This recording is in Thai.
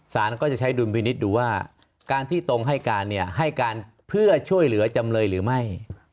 สารก็จะใช้ดุลพินิษฐ์ดูว่าการที่ตรงให้การเนี่ยให้การเพื่อช่วยเหลือจำเลยหรือไม่